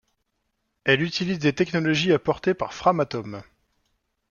Elle utilise des technologies apportées par Framatome.